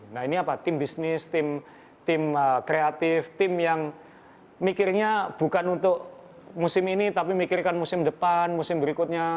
nah ini apa tim bisnis tim kreatif tim yang mikirnya bukan untuk musim ini tapi mikirkan musim depan musim berikutnya